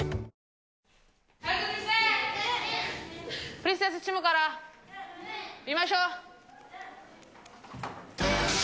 プリンセスチームから見ましょう。